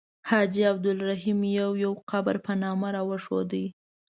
حاجي عبدالرحیم یو یو قبر په نامه راښود.